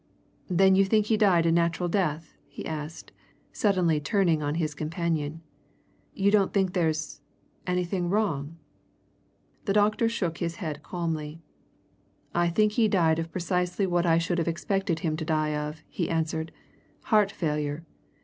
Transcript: "Then you think he died a natural death?" he asked, suddenly turning on his companion. "You don't think there's anything wrong?" The doctor shook his head calmly. "I think he died of precisely what I should have expected him to die of," he answered. "Heart failure.